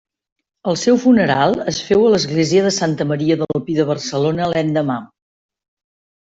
El seu funeral es féu a l'església de Santa Maria del Pi de Barcelona l'endemà.